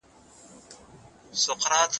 رسول الله خپلو صحابه وو ته ډاډ ورکاوه.